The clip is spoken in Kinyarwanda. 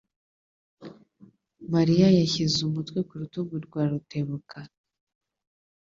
Mariya yashyize umutwe ku rutugu rwa Rutebuka.